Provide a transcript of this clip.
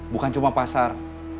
bukan cuma pasar